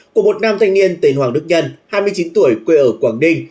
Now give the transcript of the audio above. của một nam thanh niên tên hoàng đức nhân hai mươi chín tuổi quê ở quảng ninh